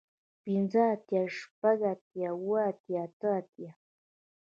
پنځۀ اتيا شپږ اتيا اووه اتيا اتۀ اتيا